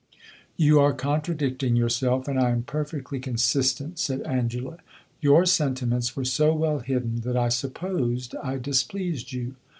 "You are contradicting yourself, and I am perfectly consistent," said Angela. "Your sentiments were so well hidden that I supposed I displeased you."